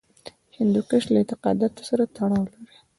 هندوکش له اعتقاداتو سره تړاو لري.